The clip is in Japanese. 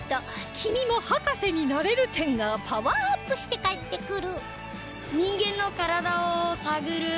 「君も博士になれる展」がパワーアップして帰ってくる！